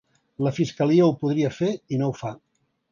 La fiscalia ho podria fer i no ho fa.